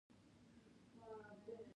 د توکو رالېږد منع و.